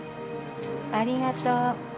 ありがとう。